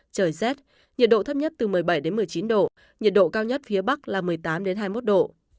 trời rét nhiệt độ thấp nhất từ một mươi bảy một mươi chín độ nhiệt độ cao nhất phía bắc là một mươi tám hai mươi một độ